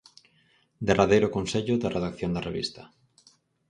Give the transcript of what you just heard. Derradeiro consello de redacción da revista.